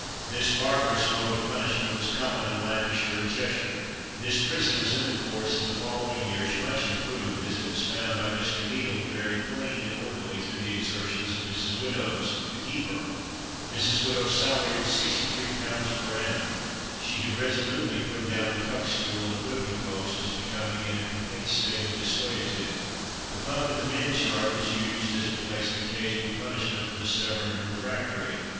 This barbarous mode of punishment was common in Lancashire, and Cheshire. This prison was in the course of the following years much improved, as it was found by Mr. Neild very clean and orderly through the exertions of Mrs. Widdows, the keeper. Mrs. Widdow's salary was 63 pounds per annum. She had resolutely put down the cuckstool, and the whipping post was becoming in a complete state of desuetude. A pump in the men's yard was used as a place of occasional punishment for the stubborn and refractory.